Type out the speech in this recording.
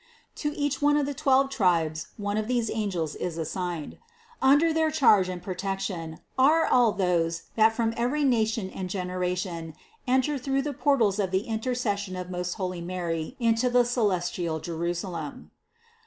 To each one of the twelve tribes one of these angels is assigned. Under their charge and protection are all those that from every nation and gen eration enter through the portals of the intercession of most holy Mary into the celestial Jerusalem.